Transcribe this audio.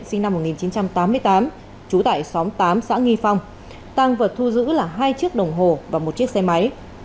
sinh năm một nghìn chín trăm tám mươi tám trú tại xóm tám xã nghi phong tăng vật thu giữ là hai chiếc đồng hồ và một chiếc xe máy